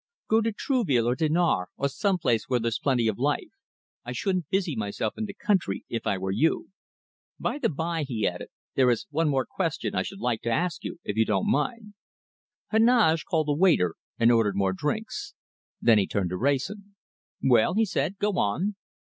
Go to Trouville or Dinard, or some place where there's plenty of life. I shouldn't busy myself in the country, if I were you. By the bye," he added, "there is one more question I should like to ask you, if you don't mind." Heneage called a waiter and ordered more drinks. Then he turned to Wrayson. "Well," he said, "go on!"